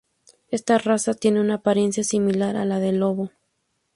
Esta raza tiene una apariencia similar a la del lobo.